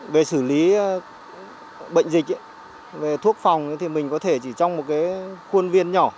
về xử lý bệnh dịch về thuốc phòng thì mình có thể chỉ trong một khuôn viên nhỏ